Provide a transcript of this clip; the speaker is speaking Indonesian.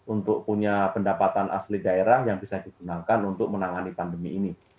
untuk punya pendapatan asli daerah yang bisa digunakan untuk menangani pandemi ini